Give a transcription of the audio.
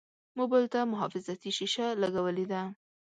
موبایل ته محافظتي شیشه لګولې ده.